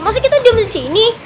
masih kita diam disini